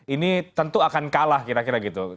ini tentu akan kalah kira kira gitu